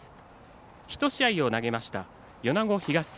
１試合を投げました、米子東戦。